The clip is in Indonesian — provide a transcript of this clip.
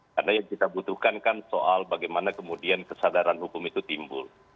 karena kita butuhkan kan soal bagaimana kemudian kesadaran hukum itu timbul